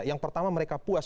yang pertama mereka puas